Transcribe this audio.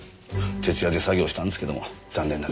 徹夜で作業したんですけども残念ながら。